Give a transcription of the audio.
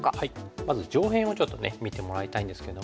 まず上辺をちょっとね見てもらいたいんですけども。